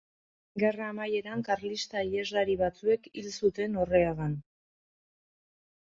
Gerra amaieran karlista-iheslari batzuek hil zuten Orreagan.